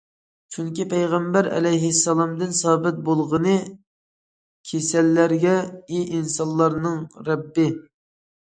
چۈنكى پەيغەمبەر ئەلەيھىسسالامدىن سابىت بولغىنى كېسەللەرگە: ئى ئىنسانلارنىڭ رەببى!